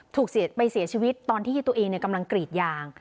ไปเสียชีวิตตอนที่ตัวเองกำลังกรีดยาง